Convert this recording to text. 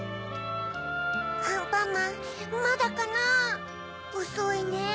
・アンパンマンまだかな・おそいねぇ。